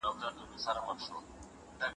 په قلم لیکنه کول د ذهني زوال مخه نیسي.